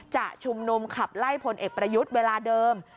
จะชุมนุมขับไล่พลเอกประยุทธ์เวลาเดิม